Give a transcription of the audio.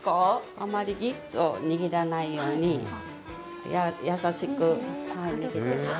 あまりギュッと握らないように優しく握っています。